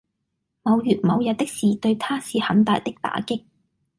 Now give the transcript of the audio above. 某月某日的事對他是很大的打擊